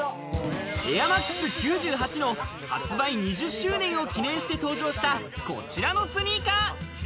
エアマックス９８の発売２０周年を記念して登場した、こちらのスニーカー。